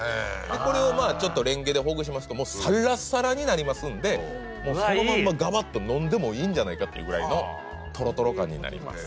これをレンゲでほぐしますともうサラサラになりますんでそのまんまガバっと飲んでもいいんじゃないかというぐらいのトロトロ感になります。